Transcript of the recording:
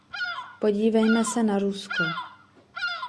Podívejme se na Rusko.